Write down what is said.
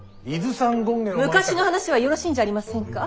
昔の話はよろしいんじゃありませんか。